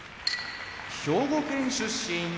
兵庫県出身